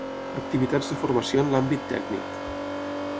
Activitats de formació en l'àmbit tècnic.